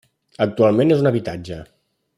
Actualment és un habitatge.